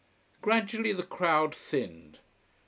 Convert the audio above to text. Gradually the crowd thinned.